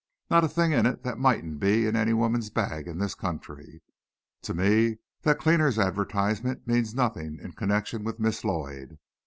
"Not a thing in it that mightn't be in any woman's bag in this country. To me, that cleaner's advertisement means nothing in connection with Miss Lloyd."